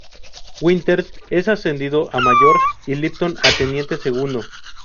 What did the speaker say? Winters es ascendido a mayor, y Lipton a teniente segundo.